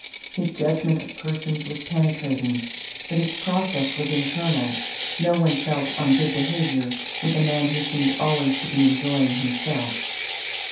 His judgment of persons was penetrating, but its process was internal; no one felt on good behavior with a man who seemed always to be enjoying himself.